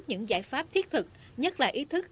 những giải pháp thiết thực nhất là ý thức